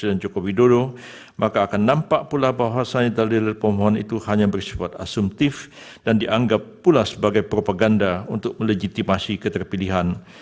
terima kasih terima kasih